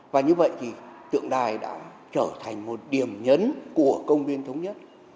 và như vậy thì tượng đài đã trở thành một điểm nhấn của công viên thống nhất